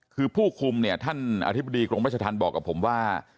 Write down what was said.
คือผู้คุมเนี่ยท่านอธิบดีกรมราชธรรมบอกกับผมว่า